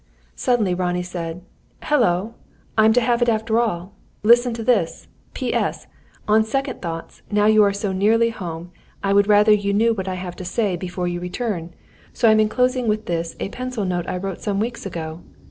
Suddenly Ronnie said: "Hullo! I'm to have it after all! Listen to this. 'P.S. On second thoughts, now you are so nearly home, I would rather you knew what I have to say, before your return; so I am enclosing with this a pencil note I wrote some weeks ago.